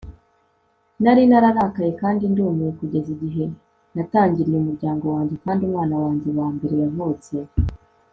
nari nararakaye kandi ndumiwe kugeza igihe natangiriye umuryango wanjye kandi umwana wanjye wambere yavutse